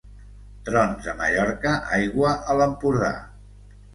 Trons a Mallorca, aigua a l'Empordà.